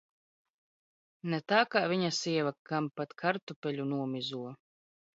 Ne t? k? vi?a sieva, kam pat kartupe?u nomizo